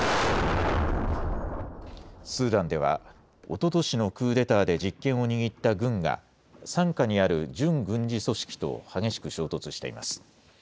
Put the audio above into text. スーダンでは、おととしのクーデターで実権を握った軍が傘下にある準軍事組織と激しく衝突しています。